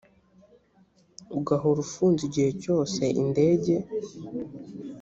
ugahora ufunze igihe cyose indege